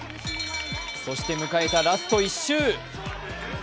そして迎えたラスト１周。